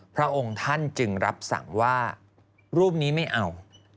พระองค์ท่านจึงรับสั่งว่ารูปนี้ไม่เอา